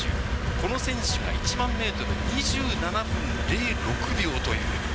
この選手が１万メートル２７分０６秒という。